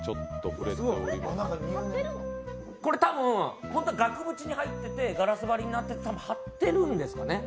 これ、多分、本当は額縁に入ってて、ガラス張りになってて貼ってるんですよね。